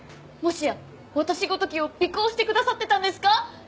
もしや私ごときを尾行してくださってたんですか？